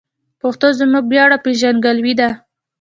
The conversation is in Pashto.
پښتو زموږ ویاړ او پېژندګلوي ده.